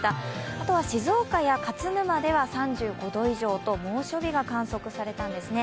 あとは静岡や勝沼では３５度以上と猛暑日が観測されたんですね。